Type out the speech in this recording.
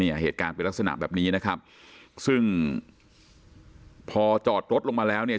เหตุการณ์เป็นลักษณะแบบนี้นะครับซึ่งพอจอดรถลงมาแล้วเนี่ย